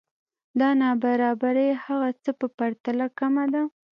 دا نابرابری هغه څه په پرتله کمه ده